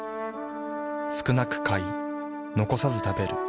少なく買い残さず食べる。